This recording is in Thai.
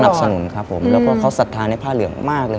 สนับสนุนครับผมแล้วก็เขาสัดทานให้ผ้าเหลืองมากเลยครับ